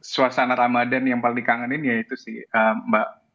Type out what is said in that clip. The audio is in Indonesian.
suasana ramadan yang paling dikangenin ya itu sih mbak